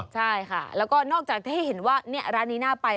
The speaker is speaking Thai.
ใช่ค่ะแล้วก็นอกจากให้เห็นว่าร้านนี้น่าไป